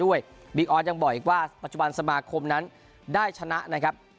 บิ๊กออสยังบอกอีกว่าปัจจุบันสมาคมนั้นได้ชนะนะครับ